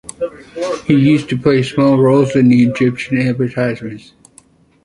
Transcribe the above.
He used to play small roles in the Egyptian advertisements.